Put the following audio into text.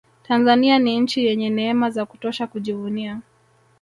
tanzania ni nchi yenye neema za kutosha kujivunia